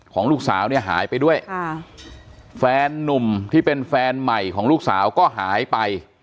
ของลูกสาวเนี่ยหายไปด้วยค่ะแฟนนุ่มที่เป็นแฟนใหม่ของลูกสาวก็หายไป